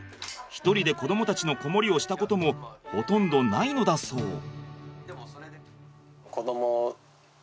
一人で子どもたちの子守りをしたこともほとんどないのだそう。